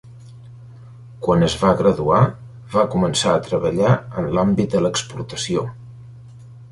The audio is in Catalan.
Quan es va graduar, va començar a treballar en l'àmbit de l'exportació.